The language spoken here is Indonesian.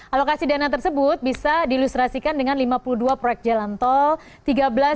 alokasi dana tersebut bisa diilustrasikan dengan lima puluh dua proyek jalan tol